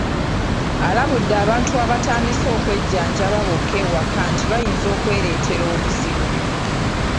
Alabudde abantu abatandise okwejjanjaba bokka ewaka nti bayinza okwereetera obuzibu.